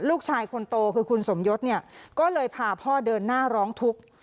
ลูกชายคนโตคือคุณสมยศเนี่ยก็เลยพาพ่อเดินหน้าร้องทุกข์